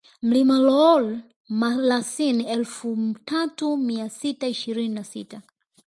Mlima Lool Malasin elfu tatu mia sita ishirini na sita